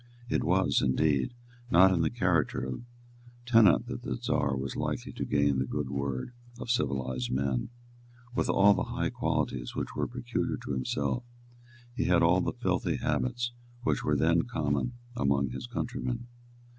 It was, indeed, not in the character of tenant that the Czar was likely to gain the good word of civilised men. With all the high qualities which were peculiar to himself, he had all the filthy habits which were then common among his countrymen.